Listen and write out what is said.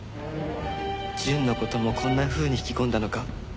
淳の事もこんなふうに引き込んだのか？